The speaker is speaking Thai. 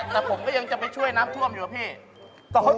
แต่ผมก็ยังจะไปช่วยน้ำท่วมอยู่อะพี่